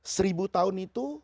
seribu tahun itu